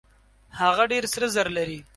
هغه ډېر سره زر لري.